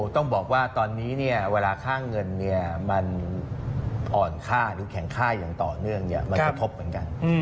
ต้องบอกว่าตอนนี้เวลาค่าเงินมันอ่อนค่าหรือแข็งค่าอย่างต่อเนื่องมันกระทบเหมือนกัน